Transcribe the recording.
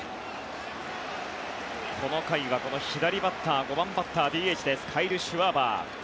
この回は左バッター５番バッターカイル・シュワバー。